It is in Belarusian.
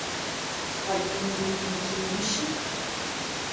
Павінен быць нейкі іншы?